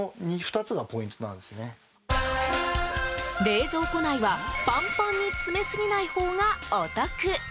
冷蔵庫内はパンパンに詰めすぎないほうがお得！